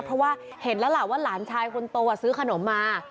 เพราะว่าเห็นแล้วล่ะว่าหลานชายคนโตซื้อขนมมา